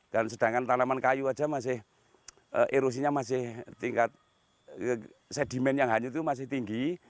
dan sedangkan tanaman kayu aja masih erosinya masih tingkat sedimen yang hanyut itu masih tinggi